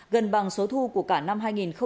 gần bằng số thu của cả năm hai nghìn hai mươi hai